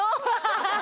ハハハ！